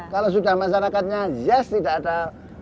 kalau sudah masyarakatnya yes tidak ada